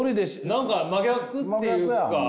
何か真逆っていうか。